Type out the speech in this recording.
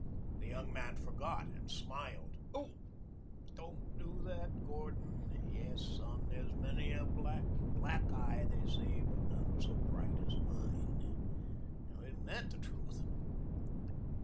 The young man forgot and smiled. "Ouch! Don't do that, Gordon. Yes, son. 'There's many a black, black eye, they say, but none so bright as mine.' Now isn't that the truth?"